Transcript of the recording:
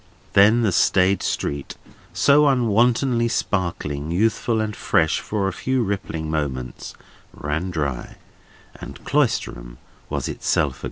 Then the staid street, so unwontedly sparkling, youthful, and fresh for a few rippling moments, ran dry, and Cloisterham was itself again.